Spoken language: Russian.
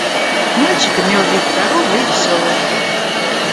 Мальчик имел вид здоровый и веселый.